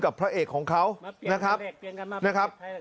พระเอกของเขานะครับ